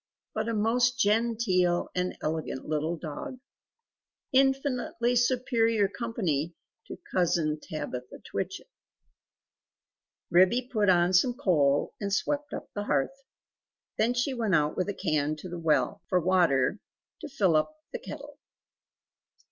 But a most genteel and elegant little dog infinitely superior company to Cousin Tabitha Twitchit." Ribby put on some coal and swept up the hearth. Then she went out with a can to the well, for water to fill up the kettle.